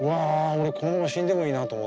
俺このまま死んでもいいなと思ったの。